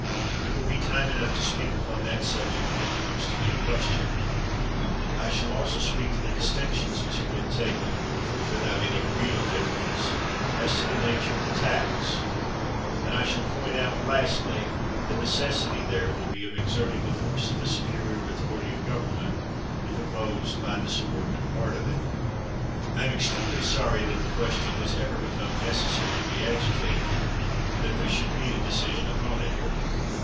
It will be time enough to speak upon that subject when it comes to be a question. I shall also speak to the distinctions which have been taken, without any real difference, as to the nature of the tax; and I shall point out, lastly, the necessity there will be of exerting the force of the superior authority of government, if opposed by the subordinate part of it. I am extremely sorry that the question has ever become necessary to be agitated, and that there should be a decision upon it.